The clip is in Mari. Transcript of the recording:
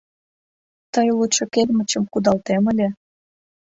— Тый лучо кермычым кудалтем ыле.